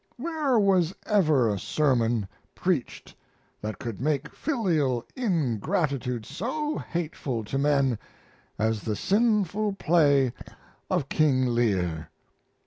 Where was ever a sermon preached that could make filial ingratitude so hateful to men as the sinful play of "King Lear"?